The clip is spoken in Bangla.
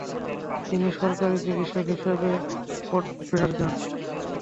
তিনি সরকারী চিকিৎসক হিসাবে ফোর্টব্লেয়ার যান।